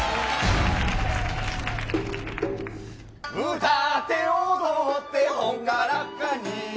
歌って踊って朗らかに。